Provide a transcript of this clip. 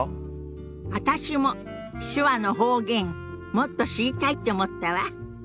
私も手話の方言もっと知りたいって思ったわ。